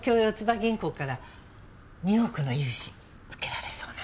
銀行から２億の融資受けられそうなの。